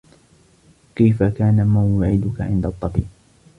كيف كان موعدك عند الطّبيب؟